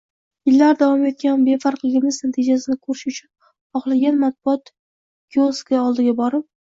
Yillar davom etgan befarqligimiz natijasini ko‘rish uchun xohlagan matbuot kioski oldiga borib